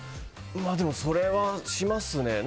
それはしますね。